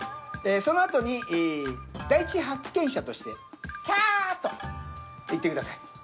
その後に第１発見者として「きゃ」と言ってください。